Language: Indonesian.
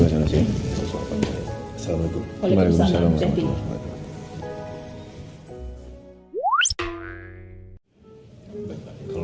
karena dulu tuh ada mau ngomong tau